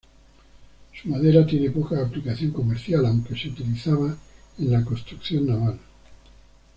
Su madera tiene poca aplicación comercial, aunque se utilizaba en la construcción naval.